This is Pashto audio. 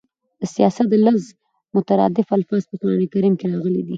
د سیاست د لفظ مترادف الفاظ په قران کريم کښي راغلي دي.